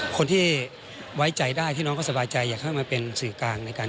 คนที่ไว้ใจได้ที่น้องเขาสบายใจอยากให้มาเป็นสื่อกลางในการ